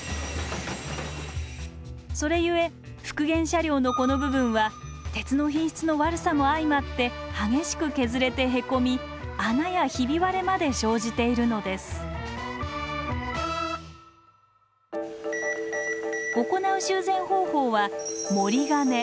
それゆえ復元車両のこの部分は鉄の品質の悪さも相まって激しく削れてへこみ穴やひび割れまで生じているのです行う修繕方法は盛金。